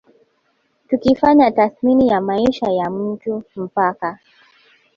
Tukifanya tathmini ya maisha ya mtu mpaka